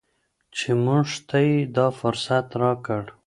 چې موږ ته یې دا فرصت راکړ.